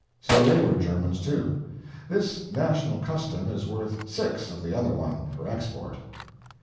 So they were Germans, too. This national custom is worth six of the other one, for export.